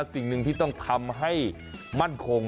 สิ่งหนึ่งที่ต้องทำให้มั่นคง